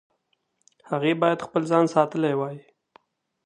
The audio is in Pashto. هغې باید خپل ځان ساتلی وای.